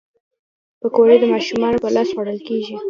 پکورې د ماشومانو په لاس خوړل کېږي